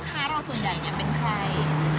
ก็รอบดาชเลยครับ